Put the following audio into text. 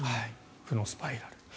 負のスパイラル。